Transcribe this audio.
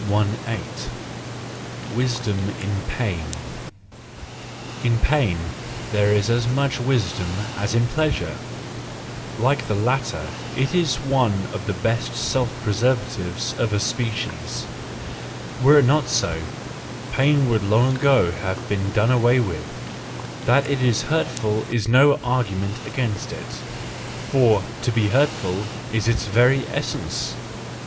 Wisdom in Pain .—In pain there is as much wisdom as in pleasure: like the latter it is one of the best self preservatives of a species. Were it not so, pain would long ago have been done away with ; that it is hurtful is no argument against it, for to be hurtful is its very essence.